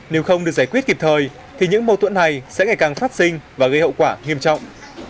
nếu không được giải quyết kịp thời thì những mâu thuẫn này sẽ ngày càng phát sinh và gây hậu quả nghiêm trọng